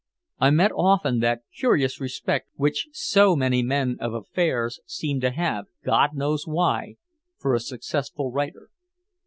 I met often that curious respect which so many men of affairs seem to have, God knows why, for a successful writer.